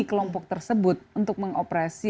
kelompok tersebut untuk mengoperasi